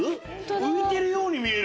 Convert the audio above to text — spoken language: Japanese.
浮いてるように見える！